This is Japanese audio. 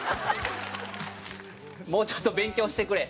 もうちょっと勉強してくれ。